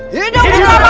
hidup berada di kianjaman